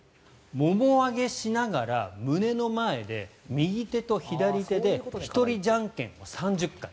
もも上げしながら胸の前で右手と左手で１人じゃんけんを３０回。